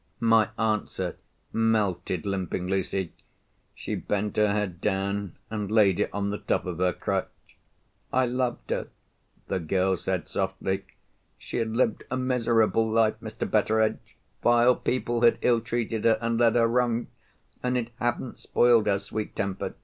My answer melted Limping Lucy. She bent her head down, and laid it on the top of her crutch. "I loved her," the girl said softly. "She had lived a miserable life, Mr. Betteredge—vile people had ill treated her and led her wrong—and it hadn't spoiled her sweet temper.